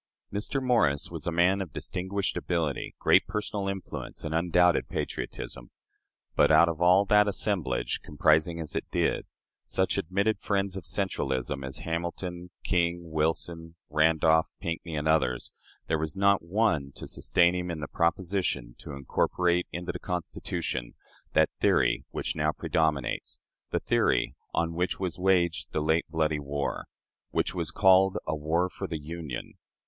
Mr. Morris was a man of distinguished ability, great personal influence, and undoubted patriotism, but, out of all that assemblage comprising, as it did, such admitted friends of centralism as Hamilton, King, Wilson, Randolph, Pinckney, and others there was not one to sustain him in the proposition to incorporate into the Constitution that theory which now predominates, the theory on which was waged the late bloody war, which was called a "war for the Union."